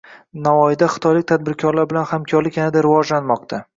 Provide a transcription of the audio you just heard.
Navoiyda xitoylik tadbirkorlar bilan hamkorlik yanada rivojlanmoqda